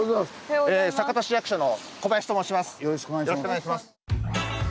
よろしくお願いします。